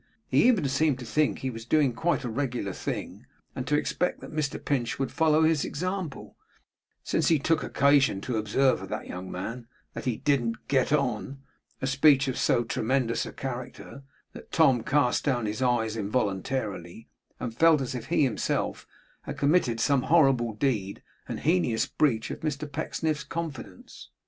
He even seemed to think that he was doing quite a regular thing, and to expect that Mr Pinch would follow his example, since he took occasion to observe of that young man 'that he didn't get on'; a speech of so tremendous a character, that Tom cast down his eyes involuntarily, and felt as if he himself had committed some horrible deed and heinous breach of Mr Pecksniff's confidence.